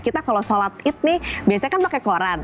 kita kalau sholat id nih biasanya kan pakai koran